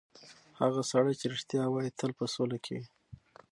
هغه سړی چې رښتیا وایي، تل په سوله کې وي.